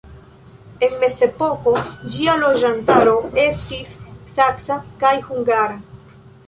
En mezepoko ĝia loĝantaro estis saksa kaj hungara.